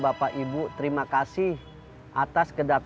bapak aku masih pusat